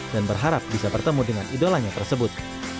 berharap bisa bertemu dengan idolanya tersebut